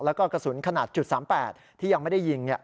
แล้วก็กระสุนขนาด๓๘ที่ยังไม่ได้ยิง